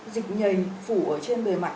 dịch nhầy phủ ở trên bề mạc